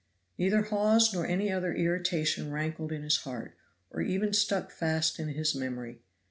Neither Hawes nor any other irritation rankled in his heart, or even stuck fast in his memory.